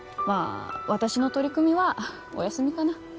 まあ私の取り組みはお休みかな